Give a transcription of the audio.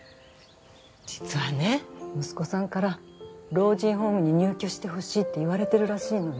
実はね息子さんから老人ホームに入居してほしいって言われてるらしいのよ。